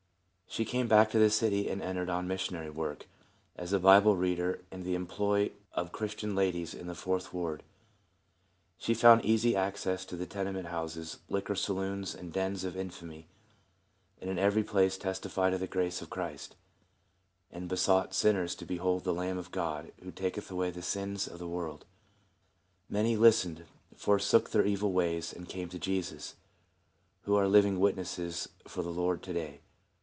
She came back to the city and entered on missionary work, as a Bible reader in the em ploy of some Christian ladies in the Fourth ward. She found easy access to tenement houses liquor saloons, and dens of infamy, and in every place testified of the grace of Christ, and besought sinners to behold the Lamb of God who taketh away the sins of A HELPMEET IN THE LORD. 75 the world. Many listened, forsook their evil ways, and came to Jesus, who are living wit nesses for the Lord to day.